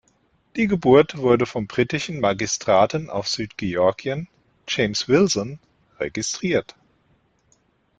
Die Geburt wurde vom britischen Magistraten auf Südgeorgien, James Wilson, registriert.